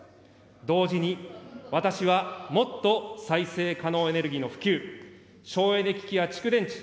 同時に私はもっと再生可能エネルギーの普及、省エネ機器や蓄電池、